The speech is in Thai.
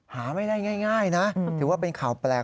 หาไม่ได้ง่ายนะถือว่าเป็นข่าวแปลก